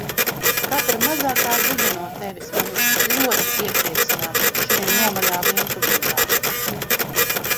Katra mazākā ziņa no Tevis mani ļoti iepriecinās šinī nomaļā vientulībā.